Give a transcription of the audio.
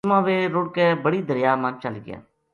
اس ما ویہ رُڑ کے بڑی دریا ما چل گیا